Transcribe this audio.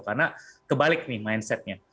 karena kebalik nih mindsetnya